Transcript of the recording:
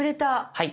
はい。